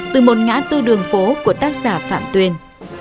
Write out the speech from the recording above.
từ một ngã tư đường phố của tác giả phạm tuyên